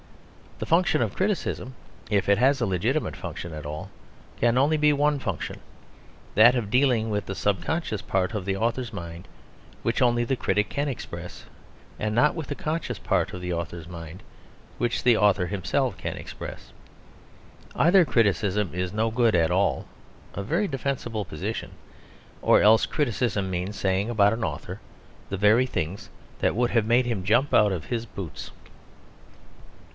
The function of criticism, if it has a legitimate function at all, can only be one function that of dealing with the subconscious part of the author's mind which only the critic can express, and not with the conscious part of the author's mind, which the author himself can express. Either criticism is no good at all (a very defensible position) or else criticism means saying about an author the very things that would have made him jump out of his boots.